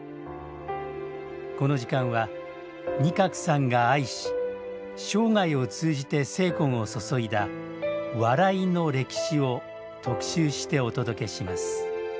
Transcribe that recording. この時間は仁鶴さんが愛し生涯を通じて精魂を注いだ「笑い」の歴史を特集してお届けします